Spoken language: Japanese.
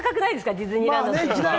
ディズニーランド。